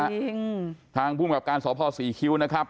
จริงทางภูมิกับการสพศรีคิ้วนะครับ